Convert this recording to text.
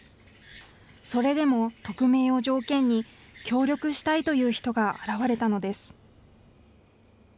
それでも匿名を条件に、協力したいという人が現れたのです。